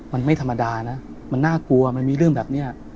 มันไม่ธรรมดานะมันน่ากลัวมันมีเรื่องแบบนี้